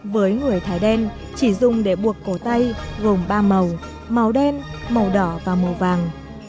với người thái đen chỉ dùng để buộc cổ tay gồm ba màu màu đen màu đỏ và màu vàng